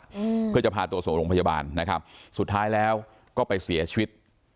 อืมเพื่อจะพาตัวส่งโรงพยาบาลนะครับสุดท้ายแล้วก็ไปเสียชีวิต